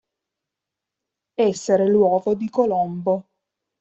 Essere l'uovo di Colombo.